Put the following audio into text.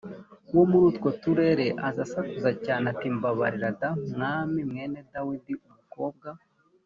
wo muri utwo turere aza asakuza cyane ati mbabarira d mwami mwene dawidi umukobwa